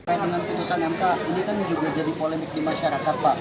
berkait dengan keputusan m k ini kan juga jadi polemik di masyarakat pak